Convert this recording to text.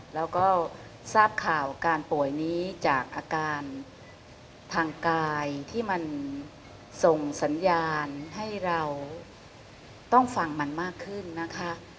แล้วก็ทราบข่าวการป่วยนี้จากอาการทางกายที่มันส่งสัญญาณให้เราต้องฟังมันมากขึ้นนะคะ